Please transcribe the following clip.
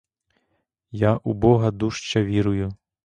Я у бога дужче вірую.